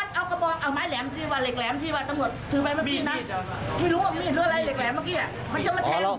บอกว่ามันกินไม้ม้าผัวถูกสาร